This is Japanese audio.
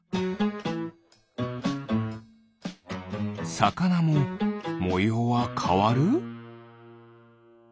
サカナももようはかわる？